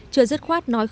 chưa dứt khoát nói khỏi